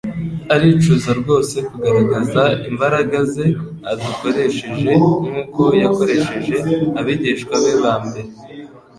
Aracyifuza rwose kugaragaza imbaraga ze adukoresheje nk'uko yakoresheje abigishwa be ba mbere.